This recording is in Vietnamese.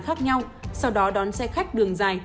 khác nhau sau đó đón xe khách đường dài